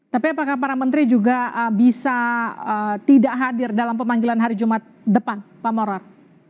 tapi apakah para menteri juga bisa tidak hadir dalam pemanggilan hari jumat depan pak morar